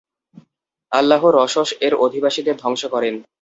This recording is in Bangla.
আল্লাহ রসস-এর অধিবাসীদের ধ্বংস করেন।